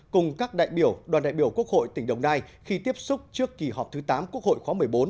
cùng các đại biểu đoàn đại biểu quốc hội tỉnh đồng nai khi tiếp xúc trước kỳ họp thứ tám quốc hội khóa một mươi bốn